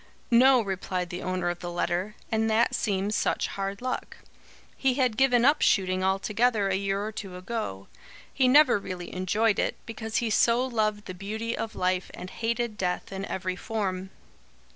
"No," replied the owner of the letter, "and that seems such hard luck. He had given up shooting altogether a year or two ago. He never really enjoyed it, because he so loved the beauty of life and hated death in every form.